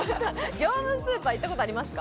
業務スーパー、行ったことありますか？